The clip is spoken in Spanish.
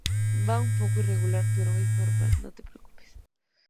va un poco irregular, pero es normal. no te preocupes.